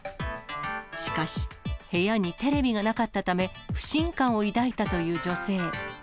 しかし、部屋にテレビがなかったため、不信感を抱いたという女性。